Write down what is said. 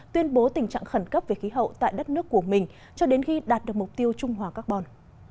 tuyên bố tình trạng khẩn cấp về khí hậu tại đất nước của mình cho đến khi đạt được mục tiêu trung hòa carbon